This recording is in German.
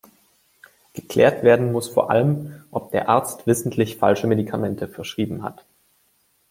Geklärt werden muss vor allem, ob der Arzt wissentlich falsche Medikamente verschrieben hat.